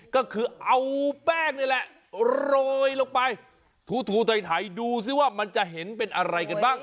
ก็คือเอาแป้งนี่แหละโรยลงไปถูไถดูซิว่ามันจะเห็นเป็นอะไรกันบ้าง